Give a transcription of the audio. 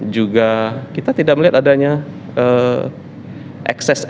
juga kita tidak melihat adanya ekses ekses buruk